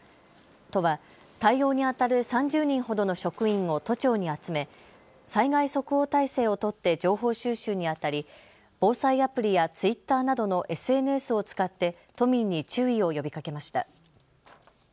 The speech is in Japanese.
都は対応にあたる３０人ほどの職員を都庁に集め災害即応態勢を取って情報収集にあたり防災アプリやツイッターなどのＳＮＳを使って都民に注意を呼びかけました。